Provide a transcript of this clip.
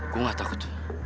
gue nggak takut